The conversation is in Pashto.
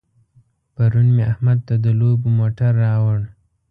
پرون مې احمد ته د لوبو موټر راوړ.